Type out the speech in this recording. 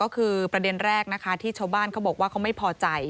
ก็คือประเด็นแรกนะคะที่ชาวบ้านเขาบอกว่าเขาไม่พอใจ